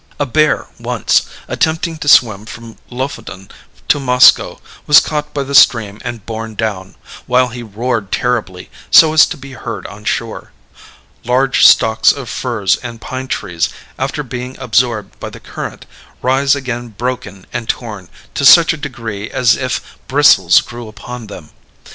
"A bear once, attempting to swim from Lofoden to Moskoe, was caught by the stream and borne down, while he roared terribly, so as to be heard on shore. Large stocks of firs and pine trees, after being absorbed by the current, rise again broken and torn to such a degree as if bristles grew upon them.